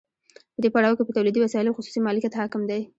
په دې پړاو کې په تولیدي وسایلو خصوصي مالکیت حاکم دی